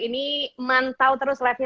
ini mantau terus live nya